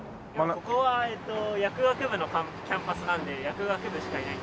ここは薬学部のキャンパスなんで薬学部しかいないんですけど。